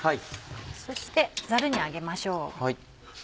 そしてザルに上げましょう。